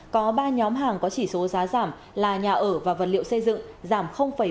có ba nhóm hàng có chỉ số giá giảm là nhà ở và vật liệu xây dựng giảm ba mươi